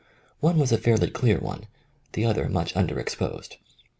One was a fairly clear one, the other much under exposed.